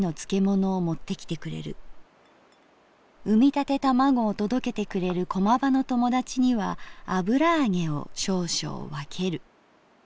生みたて玉子を届けてくれる駒場の友達には油揚げを少々わける」。